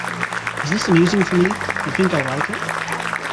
Is this amusing for me? You think I like it?